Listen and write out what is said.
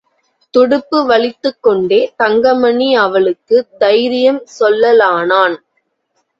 துடுப்பு வலித்துக்கொண்டே தங்கமணி அவளுக்குத் தைரியம் சொல்லலானான்.